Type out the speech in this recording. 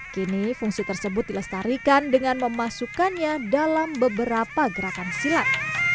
kini fungsi tersebut dilestarikan dengan memasukkannya dalam beberapa gerakan silat